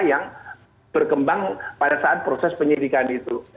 yang berkembang pada saat proses penyidikan itu